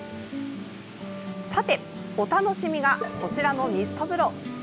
さて、お楽しみがこちらのミスト風呂。